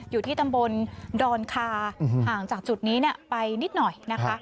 อยู่ที่ตำบลดอนคาห่างจากจุดนี้ไปนิดหน่อยนะคะ